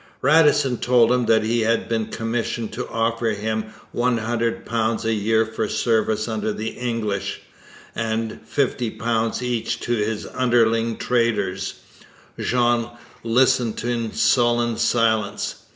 Radisson told him that he had been commissioned to offer him £100 a year for service under the English, and £50 each to his underling traders. Jean listened in sullen silence.